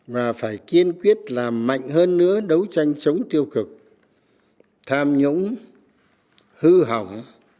và phải kiên quyết làm mạnh hơn nữa đấu tranh chống tiêu cực tham nhũng hư hỏng